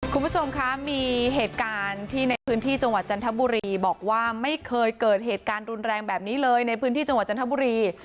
คุณผู้ชมคะมีเหตุการณ์ที่ในพื้นที่จังหวัดจันทบุรีบอกว่าไม่เคยเกิดเหตุการณ์รุนแรงแบบนี้เลยในพื้นที่จังหวัดจันทบุรี